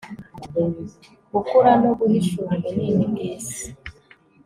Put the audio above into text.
gukura no guhishura ubunini bwisi